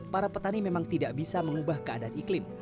para petani memang tidak bisa mengubah keadaan iklim